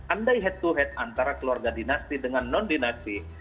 andai head to head antara keluarga dinasti dengan non dinasti